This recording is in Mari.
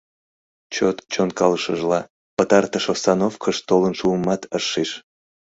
Чот шонкалышыжла, пытартыш остановкыш толын шумымат ыш шиж.